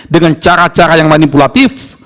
dengan cara cara yang manipulatif